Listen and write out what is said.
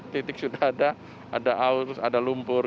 titik sudah ada ada aus ada lumpur